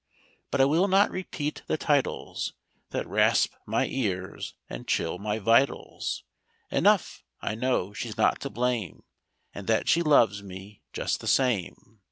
But I will not repeat the titles That rasp my ears and chill my vitals. Enough, I know she's not to blame. And that she loves me just the same."